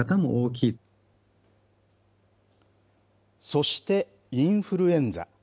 そして、インフルエンザ。